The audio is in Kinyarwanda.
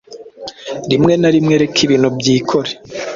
Rimwe na rimwe reka ibintu byikore